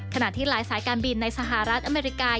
ขณะที่หลายสายการบินในสหรัฐอเมริกา